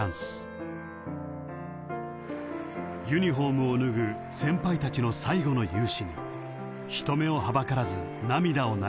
［ユニホームを脱ぐ先輩たちの最後の勇姿に人目をはばからず涙を流す村上］